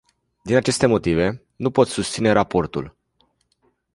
Din aceste motive, nu pot susține raportul.